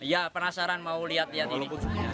ya penasaran mau lihat lihat ini